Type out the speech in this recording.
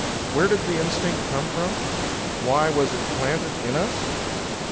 Where did the instinct come from? Why was it planted in us?